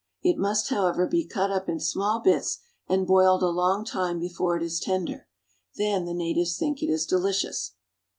It must, however, be cut up in small bits and boiled a long time before it is tender; then the natives think it is delicious.